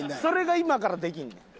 それが今からできんねん。